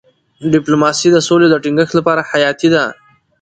ډيپلوماسي د سولې د ټینګښت لپاره حیاتي ده.